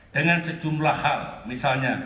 dengan sejumlah hal misalnya